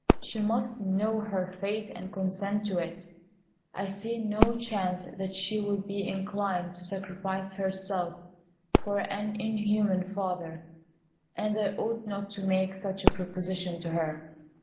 She must know her fate and consent to it. I see no chance that she will be inclined to sacrifice herself for an inhuman father, and I ought not to make such a proposition to her.